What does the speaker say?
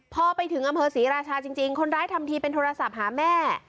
พอไปถึงอำเภอศรีราชาจริงคนร้ายทำทีเป็นโทรศัพท์หาแม่